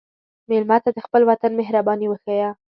مېلمه ته د خپل وطن مهرباني وښیه.